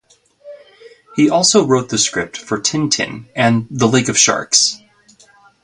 He also wrote the script for "Tintin and the Lake of Sharks".